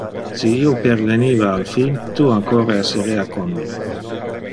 Si io perveniva al fin, tu ancora esserea con me.